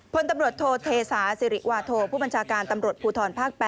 พลตำรวจโทเทศาสิริวาโทผู้บัญชาการตำรวจภูทรภาค๘